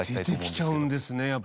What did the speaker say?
出てきちゃうんですね